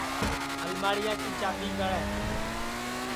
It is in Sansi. الماڑیا کی کُچی کڑے